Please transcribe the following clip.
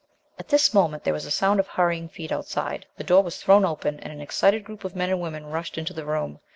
\T this moment, there was a sound of hurrying feet outside. The door was thrown open and an excited group of men and women rushed into the room.